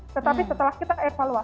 tetapi setelah kita evaluasi